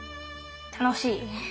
楽しい。